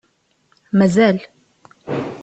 Mazal.